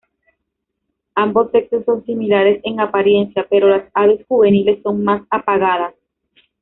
Ambos sexos son similares en apariencia, pero las aves juveniles son más apagadas.